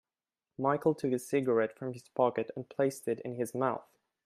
Michael took a cigarette from his pocket and placed it in his mouth.